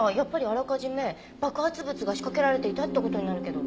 あらかじめ爆発物が仕掛けられていたって事になるけど。